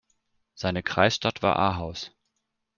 Seine Kreisstadt war Ahaus.